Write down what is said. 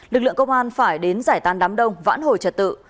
lực lượng công an phải đến giải tàn đám đông vãn hồi trật tự